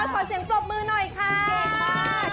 เก่งมาก